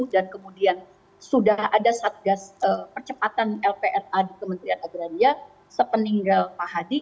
dan kemudian sudah ada percepatan lpra di kementerian agraria sepeninggal pak hadi